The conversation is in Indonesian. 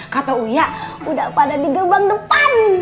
kata uya udah pada di gerbang depan